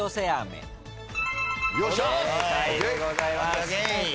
正解でございます。